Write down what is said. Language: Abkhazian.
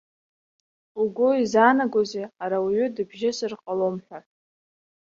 Угәы изаанагозеи ара ауаҩы дыбжьысыр ҟалом ҳәа?